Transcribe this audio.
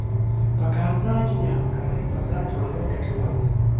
په کار ځای کې د همکارۍ فضا جوړول ګټور دي.